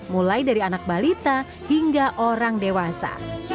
mulai dari anak balita hingga orang dewasa